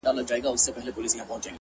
د دوى په نيت ورسره نه اوسيږو!!